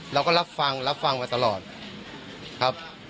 เราก็รับฟังรับฟังมาตลอดครับ